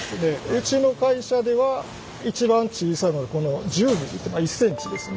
うちの会社では一番小さいものはこの１０ｍｍ１ｃｍですね。